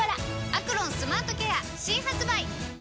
「アクロンスマートケア」新発売！